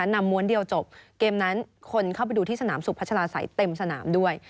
ม้วนเดียวจบเกมนั้นคนเข้าไปดูที่สนามสุพัชลาศัยเต็มสนามด้วย